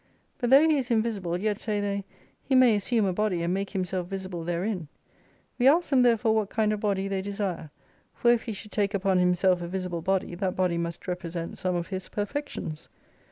But though He is invisible, yet say they. He may assume a body, and make Himself visible therein. We ask them therefore what kind of body they desire, for if He should take upon Himself a visible body, that body must represent some of His perfections.